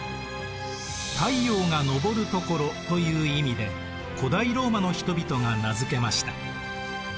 太陽が昇るところという意味で古代ローマの人々が名付けました。